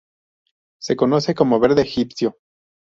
Se conoce como verde egipcio.